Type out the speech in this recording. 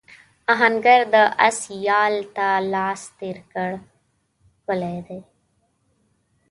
آهنګر د آس یال ته لاس تېر کړ ښکلی دی.